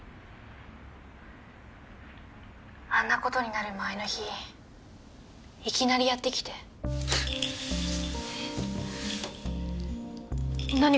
「あんな事になる前の日いきなりやって来て」何？